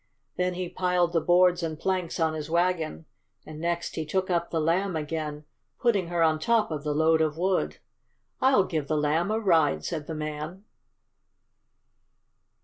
Then he piled the boards and planks on his wagon, and next he took up the Lamb again, putting her on top of the load of wood. "I'll give the Lamb a ride!" said the man.